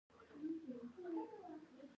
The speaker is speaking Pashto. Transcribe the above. احمد او علي ډېر سره نږدې شوي.